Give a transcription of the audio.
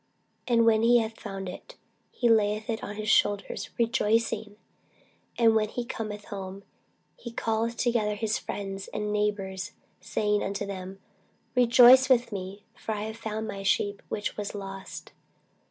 And when he hath found it, he layeth it on his shoulders, rejoicing. And when he cometh home, he calleth together his friends and neighbours, saying unto them, Rejoice with me; for I have found my sheep which was lost.